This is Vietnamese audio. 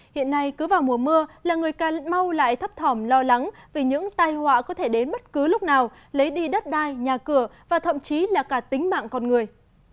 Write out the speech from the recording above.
hiện nay cứ vào mùa mưa là người cà mau lại thấp thỏm lo lắng vì những tai họa có thể đến bất cứ lúc nào lấy đi đất đai nhà cửa và thậm chí là cả tính mạng con người